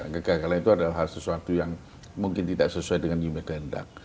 kegagalan itu adalah hal sesuatu yang mungkin tidak sesuai dengan umake hendak